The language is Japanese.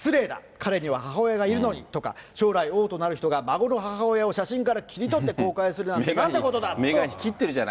彼にはえ母親がいるのに！とか、将来、王となる人が孫の母親を写真から切り取って公開するなんてなんてこういうことだと。